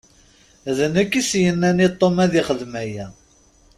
D nekk i s-yennan i Tom ad yexdem aya.